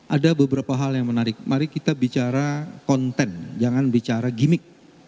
ada beberapa hal yang menarik mari kita bicara konten jangan bicara gimmick